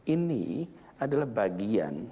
ini adalah bagian